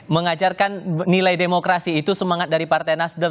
mengajarkan nilai demokrasi itu semangat dari partai nasdem